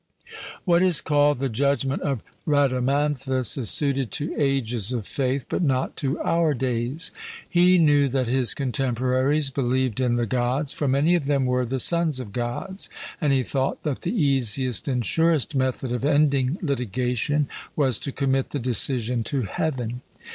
What is called the judgment of Rhadamanthus is suited to 'ages of faith,' but not to our days. He knew that his contemporaries believed in the Gods, for many of them were the sons of Gods; and he thought that the easiest and surest method of ending litigation was to commit the decision to Heaven.